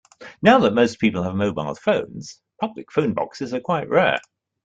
Now that most people have mobile phones, public phone boxes are quite rare